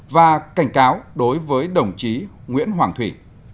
và cảnh cáo đối với đồng chí nguyễn hoàng thủy